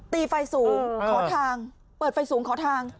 ตีไฟสูงขอทางเปิดไฟสูงขอทาง